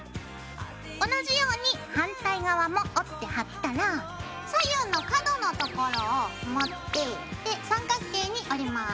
同じように反対側も折って貼ったら左右の角のところを持ってで三角形に折ります。